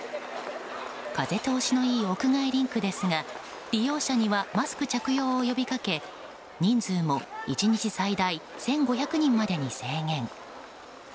風通しのいい屋外リンクですが利用者にはマスク着用を呼びかけ人数も１日最大１５００人までに制限。